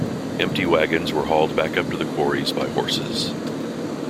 Empty wagons were hauled back up to the quarries by horses.